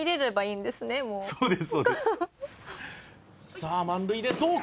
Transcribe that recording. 「さあ満塁でどうか？」